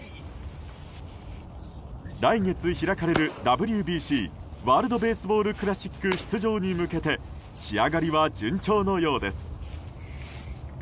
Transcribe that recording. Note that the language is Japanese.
来月開かれるＷＢＣ・ワールド・ベースボール・クラシック出場に向けて仕上がりは順調のようです。